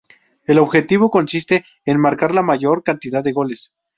El objetivo consiste en marcar la mayor cantidad de goles.